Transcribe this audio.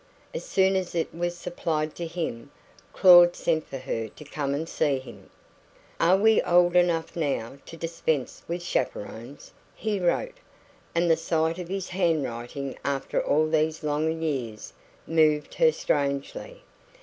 As soon as it was supplied to him, Claud sent for her to come and see him. "Are we not old enough now to dispense with chaperons?" he wrote; and the sight of his hand writing after all these long years moved her strangely.